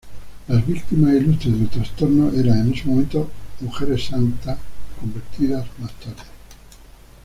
Las víctimas ilustres del trastorno eran en ese momento mujeres santas, convertidas más tarde.